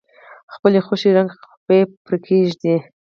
خپلې خوښې رنګه خپې پرې کیږدئ.